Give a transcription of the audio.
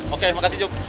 oke makasih jok